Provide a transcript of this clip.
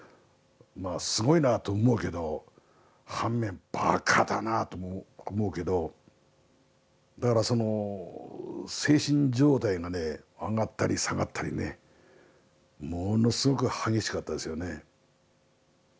まあすごいなあと思うけど反面ばかだなぁとも思うけどだからその精神状態がね上がったり下がったりねものすごく激しかったですよね。